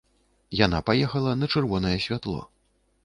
Яна паехала на чырвонае святло.